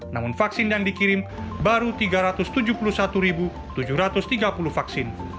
namun vaksin yang dikirim baru tiga ratus tujuh puluh satu tujuh ratus tiga puluh vaksin